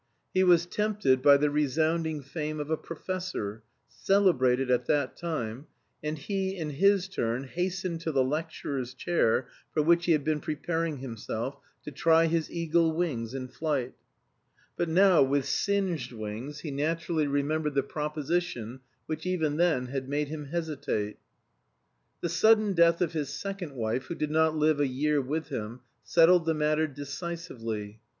He was tempted by the resounding fame of a professor, celebrated at that time, and he, in his turn, hastened to the lecturer's chair for which he had been preparing himself, to try his eagle wings in flight. But now with singed wings he naturally remembered the proposition which even then had made him hesitate. The sudden death of his second wife, who did not live a year with him, settled the matter decisively.